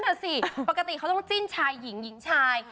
นั่นสิปกติเขาต้องจิ้นชายหญิงหญิงชาย